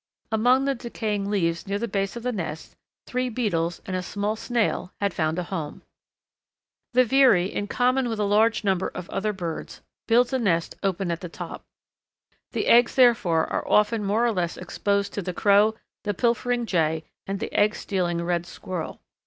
Among the decaying leaves near the base of the nest three beetles and a small snail had found a home. The Veery, in common with a large number of other birds, builds a nest open at the top. The eggs, therefore, are often more or less exposed to the Crow, the pilfering Jay, and the egg stealing red squirrel.